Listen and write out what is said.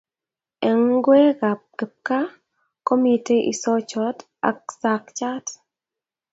Eng ngwekab kipkaa komitei isochot ak sakchat